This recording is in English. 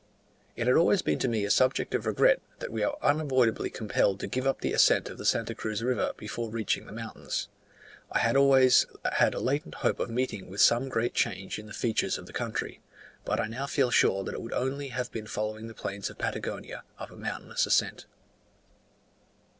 It had always been to me a subject of regret, that we were unavoidably compelled to give up the ascent of the S. Cruz river before reaching the mountains: I always had a latent hope of meeting with some great change in the features of the country; but I now feel sure, that it would only have been following the plains of Patagonia up a mountainous ascent.